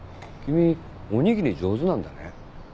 君おにぎり上手なんだね。